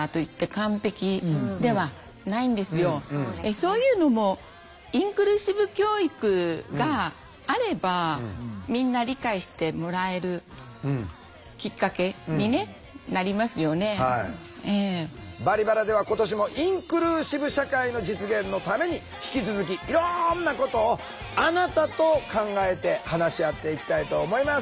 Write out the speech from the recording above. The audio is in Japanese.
そういうのも「バリバラ」では今年もインクルーシブ社会の実現のために引き続きいろんなことをあなたと考えて話し合っていきたいと思います。